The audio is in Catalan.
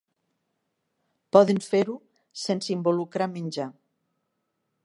Poden fer-ho sense involucrar menjar.